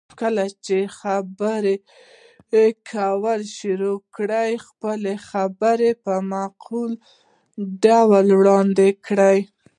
کله چې خبرې کول شروع کړئ، خپله خبره په معقول ډول وړاندې کړئ.